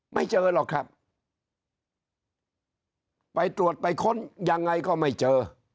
ไม่เจอหรอกครับไปตรวจไปค้นยังไงก็ไม่เจอ